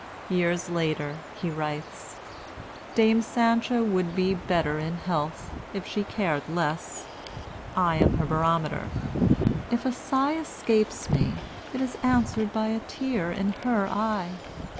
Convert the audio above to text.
Years later, he writes: "Dame Sancho would be better in health, if she cared less. I am her barometer. If a sigh escapes me, it is answered by a tear in her eye.